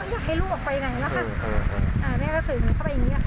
ไม่ได้ไม่รู้ให้ลูกออกไปไหนแล้วค่ะ